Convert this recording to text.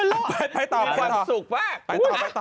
มีความสุขมาก